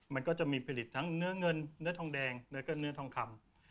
มันก็จะมีผลิตทั้งเนื้อเงินเนื้อทองแดงแล้วก็เนื้อทองคำ